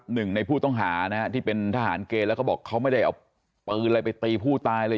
หนึ่งในผู้ต้องหานะฮะที่เป็นทหารเกณฑ์แล้วก็บอกเขาไม่ได้เอาปืนอะไรไปตีผู้ตายเลย